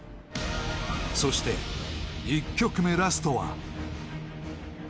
［そして１曲目ラストは］